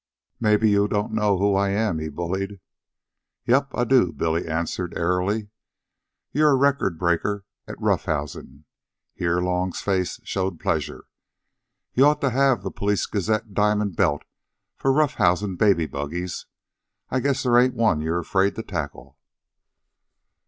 "Maybe you don't know who I am," he bullied. "Yep, I do," Billy answered airily. "You're a record breaker at rough housin'." (Here Long's face showed pleasure.) "You ought to have the Police Gazette diamond belt for rough housin' baby buggies'. I guess there ain't a one you're afraid to tackle."